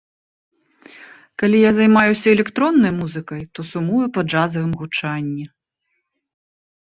Калі я займаюся электроннай музыкай, то сумую па джазавым гучанні.